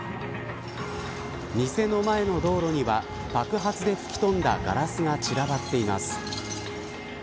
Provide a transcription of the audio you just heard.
店の前の道路には爆発で吹き飛んだガラスが散らばっています。